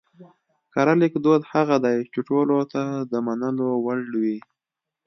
کره ليکدود هغه دی چې ټولو ته د منلو وړ وي